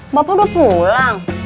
bapak udah pulang